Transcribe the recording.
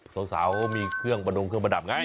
สาวเขามีเครื่องประดับไง